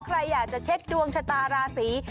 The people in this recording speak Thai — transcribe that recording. ใครอยากจะเช็คดวงชะตาราศี